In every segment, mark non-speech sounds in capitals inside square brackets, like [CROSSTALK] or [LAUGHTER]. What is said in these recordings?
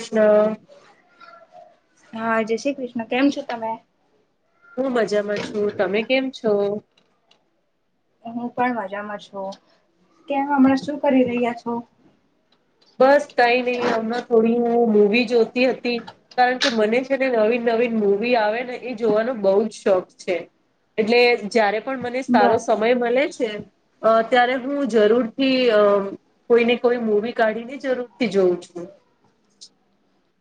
ષ્ણ હા, જય શ્રી કૃષ્ણ કેમ છો તમે હું મજામાં છું, તમે કેમ છો હું પણ મજામાં છું, ત્યા હમણાં શું કરી રહ્યા છો બસ કઈ નહી, હમણાં થોડી વી જોતી હતી, કારણ કે મને છે, ને નવીન નવીન મૂવી આવે ને એ જોવાનો બહુ જ શોખ છે, એટલે જારે પણ મને સારો બરા સમય મળે છે અ ત્યારે હું જરૂર થી, કોઈને કોઈ મૂવી કાઢી ની જરૂર થી જોવું છું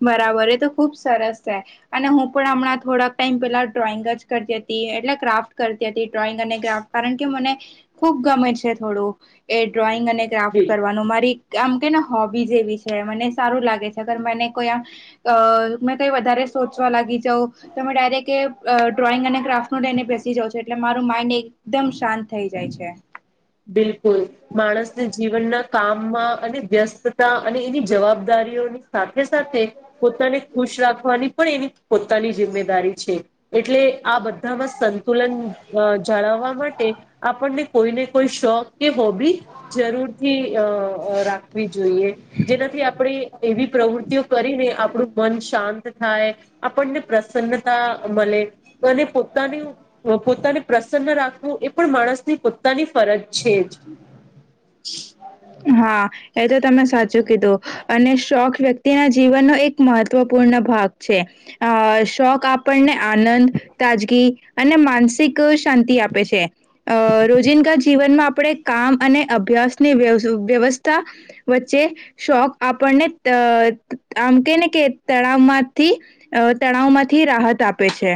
બરાબર એ તો ખુબ સરસ છે, અને હું પણ હમણાં થોડાક ટાઈમ પેલા ડ્રોઈંગ જ કરતી હતી એ એટલે ક્રાફ્ટ કરતી હતી, ડ્રોઈંગ અને ગ્રાફ્ટ કારણ કે મને ખુબ ગમે છે, થોડું એ ડ્રોઈંગ અને ક્રાફ્ટ બિલ કરવાનું મારી આમ કેને હોબી એવી છે, મને સારું લાગે છે, અગર મને ક વધ સોચવા લાગી જ, તમે ડાયરેક્ટ ડ્રોઈંગ અને ક્રરા બેસી જાવ છો, એટલે મારું માઇન્ડ એકદમ શાંત થઈ જાય છે. બિલકુલ, માણસને જીવનના કામમાં, અને વ્યસ્તતા, અને એની જવાબદારીઓની સાથે સાથે પોતાને ખુશ રાખવાની પણ એની પોતાની જિમ્મેદારી છે. એટલે આ બધામાં સંતુલન જાળવવા માટે, આપણને કોઈને કોઈ શોખ કે હોબી જરૂરથી રાખવી જોઈએ, જેનાથી આપણે એવી પ્રવૃત્તિઓ કરીને આપણું મન શાંત થાય, આપણને પ્રસન્નતા મળે અને પોતાનું પોતાને પ્રસન્ન રાખવું, એ પણ માણસની પોતાની ફરજ છેજ હા, એ તો તમે સાચું કીધું અને, શોખ વ્યક્તિના જીવનનો એક મહત્વપૂર્ણ ભાગ છે, અ શોખ આપણને આનંદ તાજગી અને માનસિક શાંતિ આપે છે, અ રોજિંદગા જીવનમાં આપણે કામ અને, અભ્યાસની વ્યવસ્થા વચ્ચે શોખ આપણને અ આમ કે ને કે, તણાવમાંથી તણાવમાંથી રાહત આપે છે.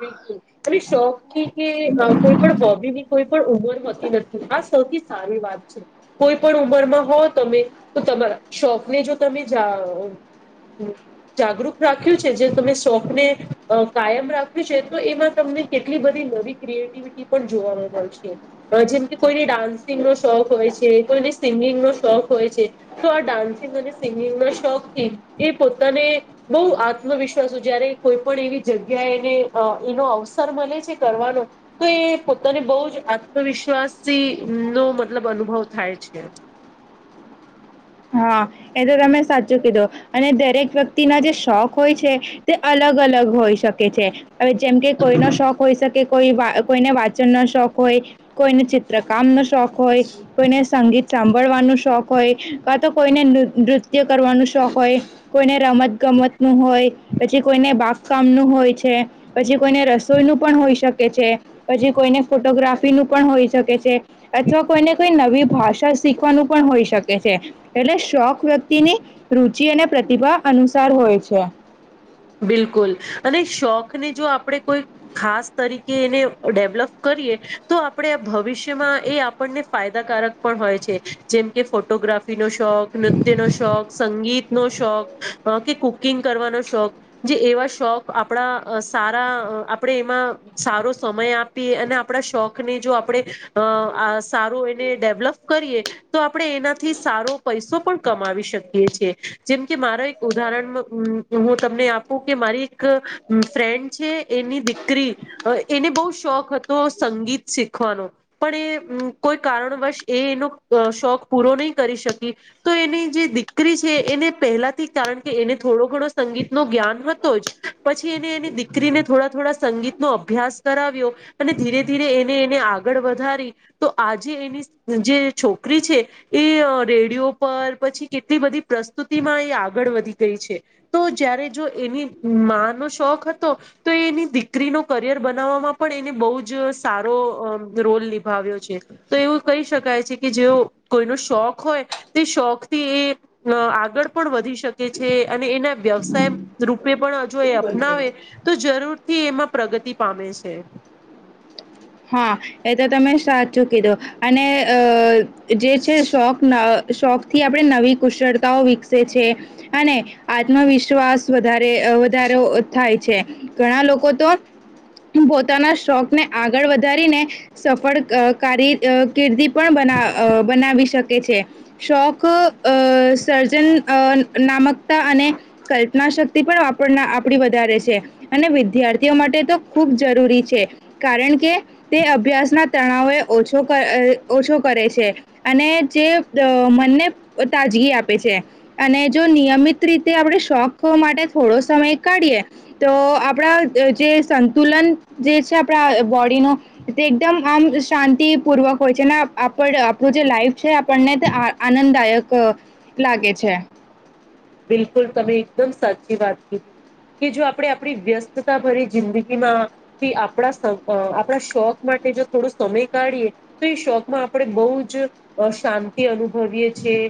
બિલકુલ, અને શોખ ની કે કોઈ પણ હોબી ની કોઈ પણ ઉમર હોતી નથી, આ સૌથી સ વાત છે, કોઈ પણ ઉંમરમાં હો તમે તો તમારા શોપને જો તમે જા જાગૃત રાખ્યું છે, જે તમે શોખને કાયમ રાખ તો એમાં તમને કેટલી બધી નવી ક્રિએટિવિટી પણ જોવાવામાં મળશે જેમ કે ડાન્સિંગ નો શોખ હોય છે, કોઈને સિંગિંગ નો શોખ હોય છે તો આ ડાન્સિંગ અને સિંગિંગના શોખથી, એ પોતાને બહુ આત્મવિશ્વાસ જયારે કોઈ પણ એવી જગ્યા એને અ એનો અવસર મલે છે, કરવાનો તો એ પોતાને બહ જ આત્મવિશ્વાસથી નો મતલબ અનુભવ થાય છે. [UNINTELLIGIBLE] હા, એ તો તમે સાચું કીધું અને દરેક વ્યક્તિના જે શોખ હોય છે, તે અલગ, અલગ અલગ હોઈ શકે છે, હવે જેમ કે કોઈનો શોખ હોઈ, શકે કોઈ કોઈને વાંચનનો શોખ હોય કોઈને ચિત્રકામ નો શોખ હોય, કોઈને સંગીત સાંભળવાનો શોખ હોય તો કોઈને નૃત્ય કરવાનો શોખ હોય, કોઈને રમત ગમત નું હોય, પછી કોઈને બા કામ નું હોય છે, પછી કોઈને રસોઈ નું પણ હોઈ શકે છે. પછી કોઈને ફોટોગ્રાફી નું પણ હોઈ શકે છે, અથવા કોઈને કોઈ નવી ભાષા શીખવાનું પણ હોઈ શકે છે. એટલે શોખ વ્યક્તિની રુચિ અને પ્રતિભા અનુસાર હોય છે. બિલકુલ અને શોખને જો આપણે કોઈ, ખાસ તરીકે એને ડેવલપ કરી આપ ભવિષ્યમાં એ આપણને ફાયદાકારક પણ હોય છે, જેમ કે ફોટોગ્રાફીનો શોખ નૃત્ય, નો શોખ સંગીત નો શોખ કે કુકિંગ કરવાનો શોખ જે એવા શોખ આપણા સારા આપણેે, એમાં સારો સમય આપીએ અને આપણે. શોખ ને જો આપણે, સારું એને ડેવલપ કરીએ તો આપણે એનાથી પ પણ કમા શકી જેમકે મારા એક ઉદાહરણ હું, તમને કે મારી એક ફ્રેન્ડ છે, એની દીકરી એને બહ શોખ હતો. સંગીત શીખવાનો પણ એ કોઈ કારણવશ એનો શોખ પૂરો નહીં, કરી શ શકી, તો એની જે દીકરી છે, એને પહેલાથી કારણ કે એને થોડો ઘણો સંગીતનો જ્ઞાન જ પછી એ એની દીકરીને થોડા, થોડા સંગીતનોો અભ્યાસ કરાવ્યો અને ધીરે, ધીરે એ એને આગળ વધારી, તો આજે એની જે છોકરી છે. એ રેડયો પર પછી કેટલી બધી પ્રસ્તુતિમાં, એ આગળ વધી ગઈ છે, તો જય્યારે જો એનીમા નો શોખ હતો, તો એ એની દીકરીનો કરિયર બનાવવામાં પણ એને બહજ. સારો રોલ નિભાવ્યો છે, તો એવું કહી શકાય છે, કે જે કોઈનો શોખ હોય. તે શોખ થી એ આગળ પણ, વધી શકે છે અને એના વ્યવસાય રૂપે પણ હ જો એ અપનાવે તો, જરૂર થી એમાં પ્રગતિ પામે છે. હા એ તો તમે સાચું કીધું, અને અ જે છે શોખના શોખ થી આપણે નવી કુશળતાઓ વિકસે છે, અને આત્મવિશ્વાસ વધારે વધારે થાય છે, ઘણા લોકો તો પોતાના શોખને આગળ વધારીને સફળ કારી કિર્દી પણ, બના બનાવી શકે છે શોખ સર્જન નામકતા અને કલ્પના શક્તિ પણ આપણી વધારે છે, અને વિદ્યાર્થીઓ માટે તો ખૂબ જરૂરી છે કારણ કે, તે અભ્યાસના તણાવ એ ઓછ ઓછો કરે છે, અને જે મનને તાજ આપે છે, અને જો નિયમિત રીતે આપણે શોખ માટે થોડો સમય કાઢીએ તો આપણા જે સંતુલન જે છે, આપણા બો એનો એકમ આમ શાંતિ પૂર્વક હોય છે, આપણું જે લાઈફ છે આપણને આનંદદાયક લાગે છે બિલકુલ, તમે એકદમ સાચી વાત કી કે જો આપણે આપણી વ્યસ્તતા ભરી જિંદગીમાંથી આપણા આપણા શોખ મા જો થોડો સમય કાઢીએ, તો એ શોખમાં આપણે બહ જ શાંતિ અનુભવીએ છી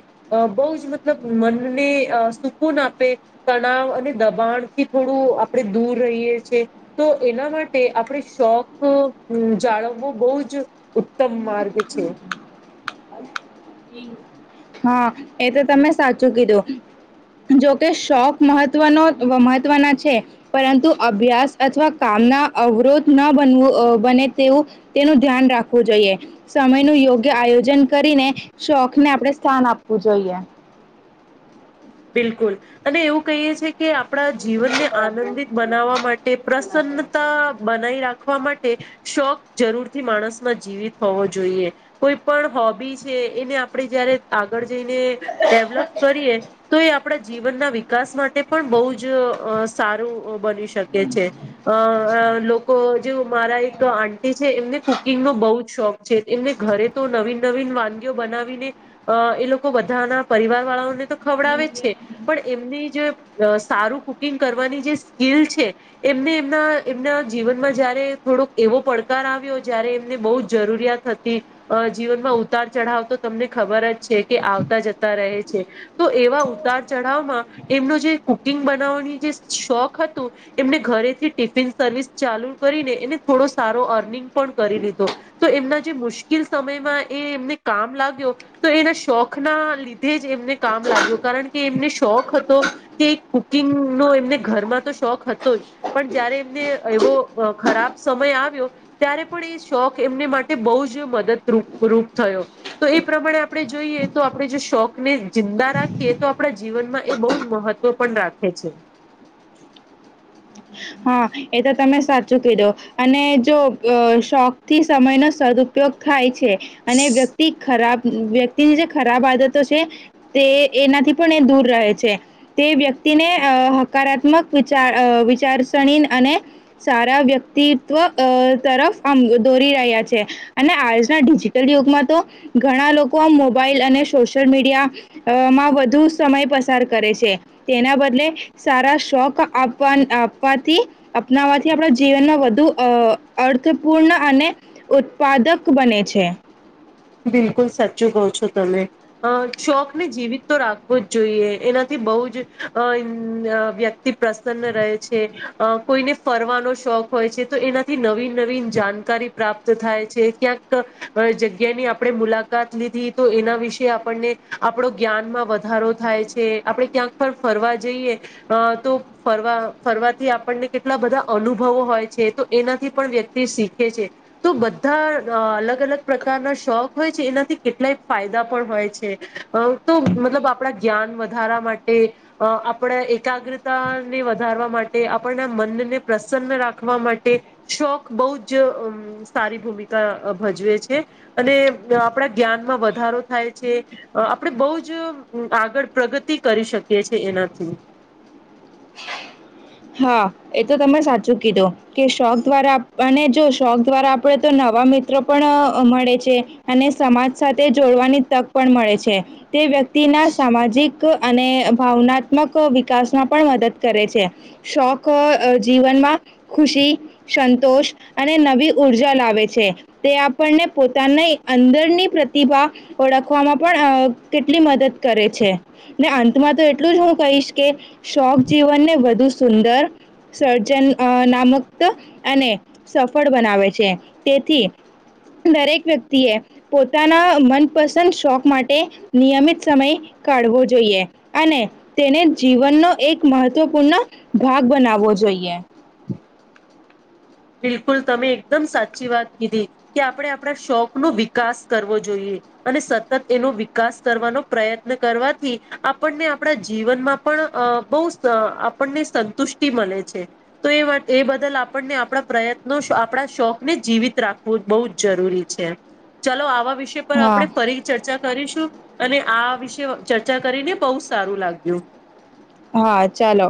બહ જ મતલબ, મનને સુકૂન આપે તણાવ અને દબાણ થી થોડું આપણે દૂર રહીએ છીએ તો તો એના માટે આપણે શોખ જાળવવો બહુ જ ઉત્તમ માર્ગ છે. [INAUDIBLE] હા, એ તો તમે સાચું કીધું જોકે શોખ મહત્વનો મહત્વના છે, પરંતુ અભ્યાસ અથવા કા ના અવરોધ ન બનવ બને તેવું તેનું ધ્યાન રાખવું જોઈએ, સમય ન યોગ આયોજન કરીને શોખને આપણે સ્થાન આપવું જોઈએ બિલકુલ અને એવું કહીએ છી કે આપણા જીવનને આનંદિત બનાવવા માટે પ્રસન્નતા બનાવી રાખ વા માટે શોખ જરૂરથી માણસમાં જીવિત હોવો જોઈએ કોઈ પણ હોબી છે એને આપણેે જયારે આગળ જઈને ડેવલપ કરીએ તો એ આપણા જીવનના વિકાસ માટે પણ બહુ જ અ સારું બની શકે છે લોકો અ જે મારા એક આંટી છે એમને કુકિંગ નો બહુ જ શોખ છે એમને ઘરે તો નવીન નવીન વાંન ગીયો બનાવીને એ લોકો બધાના પરિવાર વાળાઓને તો ખવડાવે છે પણ એમની જે સારું કુકિંગ કરવાની જે સ્કીિલ છે એમને એમના એમના જીવનમાં જયારે થોડ ક એવો પડકાર આવ્યો જયારે એમને બઉ જ જરૂરિયાત હતી જીવનમાં ઉતાર ચઢાવ તો તમ તમને ખબર જ છે કે આવતા જતા રહે છે તો એવા ઉતાર ચઢાવમાં એમનું જે કુકિંગ બનાવવાની જે શોખ હતું એમને ઘર થી ટિફિન સર્વિસ ચાલુ કરીને એ થોડો સારો અર્નિંગ પણ કરી લીધો તો એમના જે મુશ્કેલ સમયમાં એ એમને કામ લાગ્યો તો એના શોખ ના લીધે જ એમને કામ લાગ્યું કારણ કે એમને શોખ હતો કે કુકિંગનો એમને ઘરમાં તો શોખ હતો જ પણ જયારે એમને એવો ખરાબ સમય આવ્યો ત્યારે પણ એ શોખ એમને માટે બહુ જ મદદરૂપરૂૂપ થયો તો એ પ્રમાણે આપણે જોઈએ તો આપણે જો શોખને જિંદા રાખીએ તો આપણા જીવનમાં એ બહુ જ મહત્વ પણ રાખે છે [INAUDIBLE] હા એ તો તમે સાચું કીધો અને જો અ શોખથી સમયનો સદુપયોગ થાય છે અને વ્યક્તિ ખરાબ વ્યક્તિની જે ખરાબ આદતો છે તે એનાથી પણ એ દૂર રહે છે તે વ્યક્તિ તિને હકારાત્મક વિચાર અ વિચાર ણી અને સારા વ્યક્તિત્વ તરફ આમ દોરી રહ્યા છે અને આજના ડિજિટલ યુગમાં તો ઘણા લોકો આ મોબાઈલ અને સોશિયલ મીડિયામાં વધુ સમય પસાર કરે છે તેના બદલે સારા શોખ આપવા આપ થી અપનાવાથી આપણા જીવનમાં વધુ અ અર્થપૂર્ણ અને ઉત્પાદ પદક બને છે બિલકુલ સાચું કહો છો તમે અ શોખ ને જીવિત તો રાખવો જ જોઈએ એનાથી બહુ જ વ્યક્તિ પ્રસન્ન રહે છે કોઈને અ કોઈ ને ફરવાનો શોખ હોય છે તો એનાથી નવીન નવીન જાણકારી પ્રાપ્ત થાય છે ક્યાંક જગ્યા જગ્યાની આપણે મુલાકાત લીધી તો એના વિશે આપણને આપણો જ્ઞાનમાં વધારો થાય છે આપણે ક્યાંક ફરવા જઈએ તો ફરવા ફરવાથી આપણને કેટલા બધા અનુભ વ હોય છે તો એનાથી પણ વ્યક્તિ શીખે છે તો બધા અલગ અલગ પ્ર કારના શોખ હોય છે એનાથી કેટલાય ફાયદા પણ હોય છે તો મતલબ આપણા જ્ઞાન વધાર માટે આપણા અ એકાગ્રતાને વધારવા માટે આપના મનને પ્ર પ્રસન્ન રાખવા માટે શોખ બહુ જ સારી ભૂમિકા અ ભજવે છે અને આપણા જ્ઞાનમાં વધારો થાય છે આપણે બહું જ આગળ પ્રગતિ કરી શકીએ છીએ એનાથી [INAUDIBLE] હા એ તો તમે સાચું કીધું કે શોખ દ્વારા આપણને જો શોક દ્વારા આપડે તો નવા મિત્રો પણ મળે છે અને સમાજ સાથે જોડવાની તક પણ મળે છે. તે વ્યક્તિના સામાજિક અને ભાવનાત્મક વિકાસમાં પણ મદદ કરે છે. શોખ જીવનમાં ખુશી સંતોષ અને નવી ઊર્જા લાવે છે. તે આપણને પોતાના અંદરની પ્રતિભા ઓળખવામાં પણ કેટલી મદદ કરે છે ને અંતમાં તો એટલું જ હું કહીશ કે શોખ જીવનને વધુ સુંદર સર્જન આ નામક અને સફળ બનાવે છે તેથી દરેક વ્યક્તિ એ પોતાના મનપસંદ શોખ માટે નિયમિત સમય કાઢવો જોઈએ અને તેને જીવનનો એક મહત્વપૂર્ણ ભાગ બનાવવો જોઈએ. બિલકુલ તમે એકદમ સાચી વાત કીધી કે આપણે આપણા શોખ નો વિકાસ કરવો જોઈએ. અને સતત એનો વિકાસ કરવાનો પ્રયત્ન કરવાથી આપણને આપણા જીવનમાં પણ અ બહુ આપણને સંતુષ્ટિ મળે છે તો એ બદલ આપને આપડા પ્રયત્નો આપણા શોખને જીવિત રાખવું બહુ જ જરૂરી છે ચલો આવા વિષય પર હા, આપણે ફરી ચર્ચા કરીશું અને આ વિશે ચર્ચા કરીને બહુ સારું લાગ્યું. હા ચાલો.